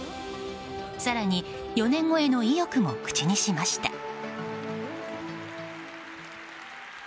更に４年後への意欲も口にしました。